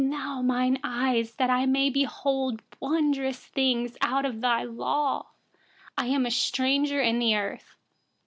18Open my eyes, that I may see wondrous things out of your law. 19I am a stranger on the earth.